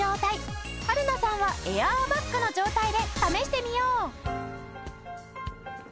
春菜さんはエアーバッグの状態で試してみよう。